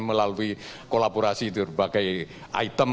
melalui kolaborasi berbagai item